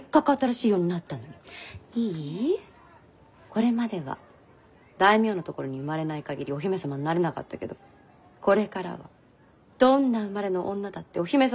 これまでは大名のところに生まれない限りお姫様になれなかったけどこれからはどんな生まれの女だってお姫様になれるんだから！